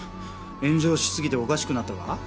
炎上しすぎておかしくなったのか？